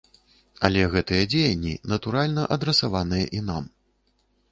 Але гэтыя дзеянні, натуральна, адрасаваныя і нам.